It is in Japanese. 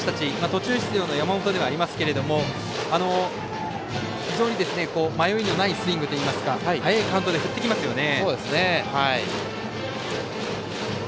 途中出場の山本ではありますけれども非常に迷いのないスイングといいますか早いカウントで振ってきますよね。